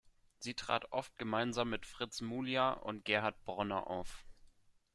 Sie trat oft gemeinsam mit Fritz Muliar und Gerhard Bronner auf.